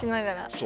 そう。